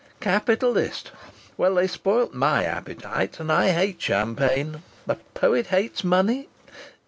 'Capitalist'! Well, they spoilt my appetite, and I hate champagne!... The poet hates money....